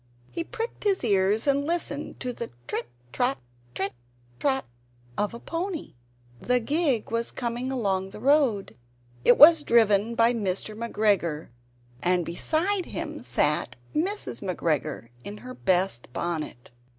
He pricked his ears and listened to the trit trot, trit trot of a pony. A gig was coming along the road; it was driven by Mr. McGregor, and beside him sat Mrs. McGregor in her best bonnet.